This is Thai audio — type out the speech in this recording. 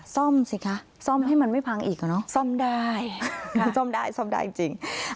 ซ่อมสิคะซ่อมให้มันไม่พังอีกอ่ะเนอะซ่อมได้มันซ่อมได้ซ่อมได้จริง